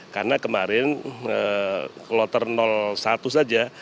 karena kemarin kloter satu saja